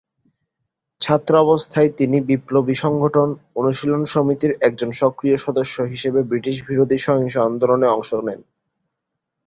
ছাত্রাবস্থায় তিনি বিপ্লবী সংগঠন অনুশীলন সমিতির একজন সক্রিয় সদস্য হিসেবে ব্রিটিশবিরোধী সহিংস আন্দোলনে অংশ নেন।